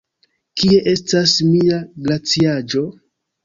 Kie estas mia glaciaĵo?